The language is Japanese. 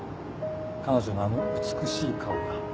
彼女のあの美しい顔が。